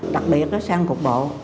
đặc biệt sang cục bộ